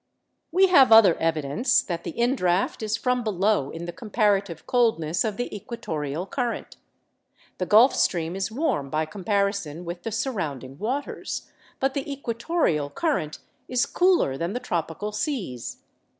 We have other evidence that the indraught is from below in the comparative coldness of the equatorial current. The Gulf Stream is warm by comparison with the surrounding waters, but the equatorial current is cooler than the tropical seas.